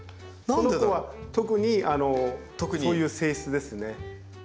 この子は特にそういう性質ですね。